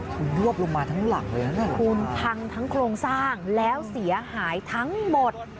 คือลวบลงมาทั้งหลังเลยนะเนี่ยคุณพังทั้งโครงสร้างแล้วเสียหายทั้งหมด